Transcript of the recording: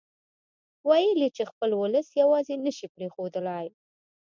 ويل يې چې خپل اولس يواځې نه شي پرېښودلای.